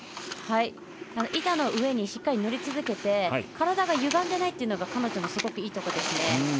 板の上にしっかり乗り続けて体がゆがんでないのが彼女のすごくいいところですね。